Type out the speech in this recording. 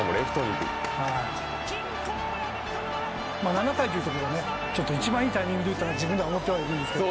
７回というとこでね一番いいタイミングで打ったなって自分では思ってはいるんですけど。